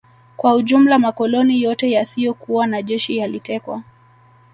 Kwa ujumla makoloni yote yasiyokuwa na jeshi yalitekwa